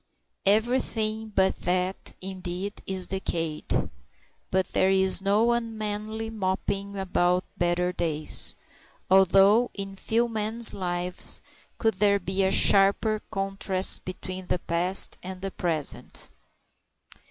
Everything but that, indeed, is decayed. But there is no unmanly moping about better days, although in few men's lives could there be a sharper contrast between the past and the present.